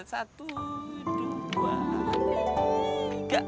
satu dua tiga